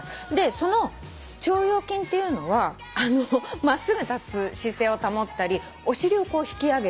その腸腰筋っていうのは真っすぐ立つ姿勢を保ったりお尻を引き上げたり。